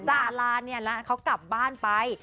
สาราเนี่ยนะเขากลับบ้านไป